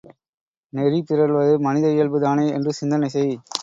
நெறி பிறழ்வது மனித இயல்பு தானே என்று சிந்தனை செய்!